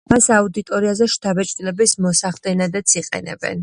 მას აუდიტორიაზე შთაბეჭდილების მოსახდენადაც იყენებენ.